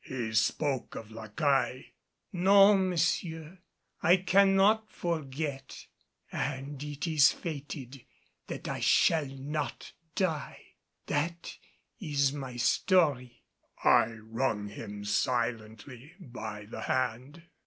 He spoke of La Caille. "No, monsieur, I cannot forget and it is fated that I shall not die. That is my story." I wrung him silently by the hand.